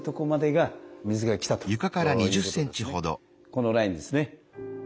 このラインですね。